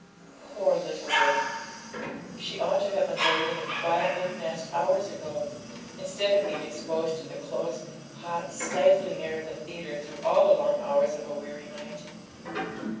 Poor little woman! She ought to have been laid in a quiet little nest hours ago, instead of being exposed to the close, hot, stifling air of the theatre through all the long hours of a weary night.